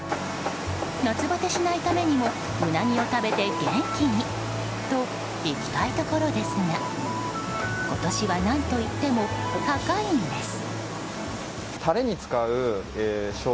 夏バテしないためにもウナギを食べて元気にといきたいところですが今年は何といっても高いんです。